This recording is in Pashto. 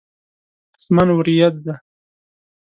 اسمان وريځ دی.